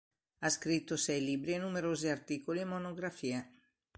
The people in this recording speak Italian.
Ha scritto sei libri e numerosi articoli e monografie.